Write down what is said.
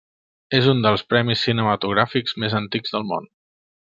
És un dels premis cinematogràfics més antics del món.